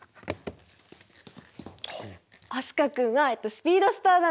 飛鳥君は「スピードスター男子！！」。